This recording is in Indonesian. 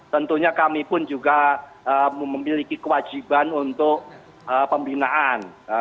tentunya kami pun juga memiliki kewajiban untuk pembinaan